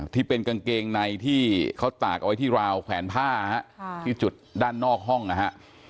ที่เป็นกางเกงในที่เขาตากเอาไว้ที่ราวแขวนผ้าที่จุดด้านนอกห้องนะฮะ